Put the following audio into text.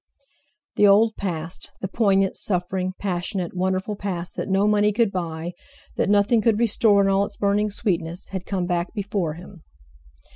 The old past—the poignant, suffering, passionate, wonderful past, that no money could buy, that nothing could restore in all its burning sweetness—had come back before him.